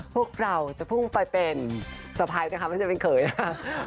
พวกเราจะพุ่งไปเป็นสะพ้ายนะคะไม่ใช่เป็นเขยนะคะ